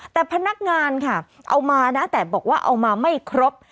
แต่พนักงานค่ะเอามานะแต่บอกว่าเอามาไม่ครบ